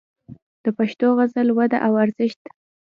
د پښتو غزل وده او ارزښت